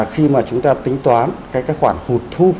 khi mà chúng ta tính toán cái khoản hụt thu